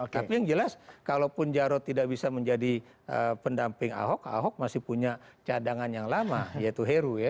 tapi yang jelas kalaupun jarod tidak bisa menjadi pendamping ahok ahok masih punya cadangan yang lama yaitu heru ya